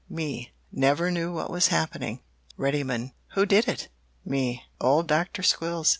"Me Never knew what was happening. "Reddymun Who did it? "Me Old Doctor Squills.